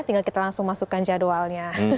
tinggal kita langsung masukkan jadwalnya